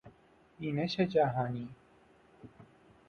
بینش جهانی